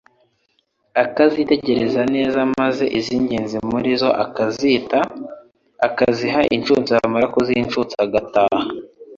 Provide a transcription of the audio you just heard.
akazitegereza neza, maze iz'ingenzi muri zo akazita, akaziha inshutso. Yamara kuziha inshutso agataha.